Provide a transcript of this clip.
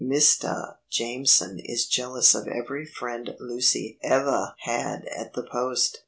Mistah Jameson is jealous of every friend Lucy evah had at the Post.